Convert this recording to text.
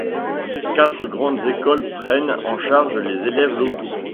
Quatre grandes écoles prennent en charge les élèves locaux.